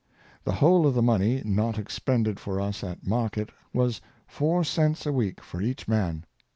The whole of the money, not expended for us at market, was four cents a week for each man.